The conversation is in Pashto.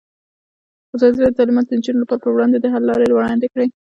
ازادي راډیو د تعلیمات د نجونو لپاره پر وړاندې د حل لارې وړاندې کړي.